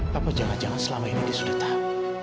papa jangan jangan selama ini dia sudah tahu